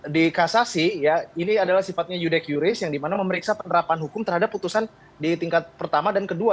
di kasasi ya ini adalah sifatnya yudek yuris yang dimana memeriksa penerapan hukum terhadap putusan di tingkat pertama dan kedua